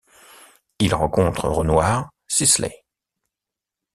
Il rencontre Renoir, Sisley.